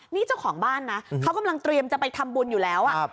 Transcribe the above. นี่เจ้าของบ้านนะเขากำลังเตรียมจะไปทำบุญอยู่แล้ว